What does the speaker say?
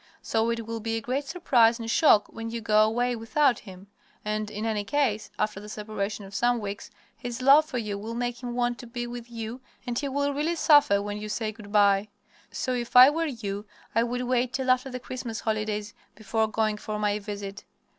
So it will be a great surprise and shock when you go away without him. And in any case, after the separation of some weeks, his love for you will make him want to be with you, and he will really suffer when you say good by. So, if I were you, I would wait till after the Christmas holidays before going for my visit.